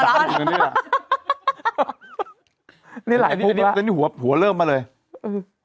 ก็นี่แหละอ๋อร้อนนี่แหละนี่หัวหัวเริ่มมาเลยอืม